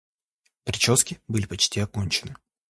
прически были почти окончены.